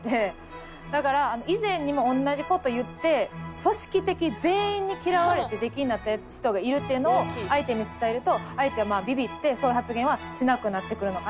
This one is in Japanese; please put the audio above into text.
だから以前にも同じ事言って組織的全員に嫌われて出禁になった人がいるっていうのを相手に伝えると相手はビビってそういう発言はしなくなってくるのかなと思う。